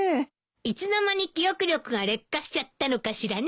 いつの間に記憶力が劣化しちゃったのかしらね。